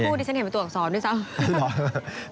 ต้องพูดดิฉันเห็นเป็นตัวอักษรด้วยจ้าว